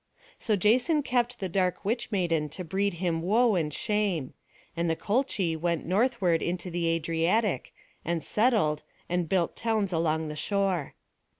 So Jason kept the dark witch maiden to breed him woe and shame; and the Colchi went northward into the Adriatic, and settled, and built towns along the shore.